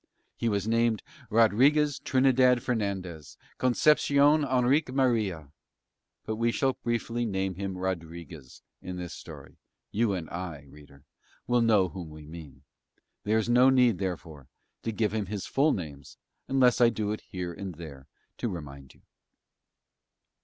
He was named Rodriguez Trinidad Fernandez, Concepcion Henrique Maria; but we shall briefly name him Rodriguez in this story; you and I, reader, will know whom we mean; there is no need therefore to give him his full names, unless I do it here and there to remind you.